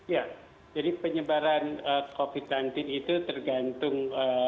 ya jadi penyebaran covid sembilan belas itu tergantung